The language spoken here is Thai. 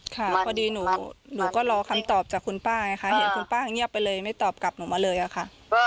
ค่ะพอดีหนูก็รอคำตอบจากคุณป้าไงค่ะเห็นคุณป้าเงียบไปเลยไม่ตอบกลับหนูมาเลยอะค่ะ